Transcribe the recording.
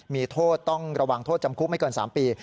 มีโทษต้องระวังโทษจำคุกไม่เกิน๓ปี